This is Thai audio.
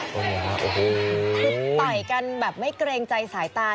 คือต่อยกันแบบไม่เกรงใจสายตา